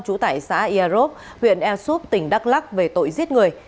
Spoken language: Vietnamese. chủ tải xã iarop huyện ersup tỉnh đắk lắc về tội giết người